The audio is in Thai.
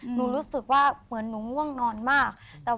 รู้สึกว่าเหมือนหนูง่วงนอนมาก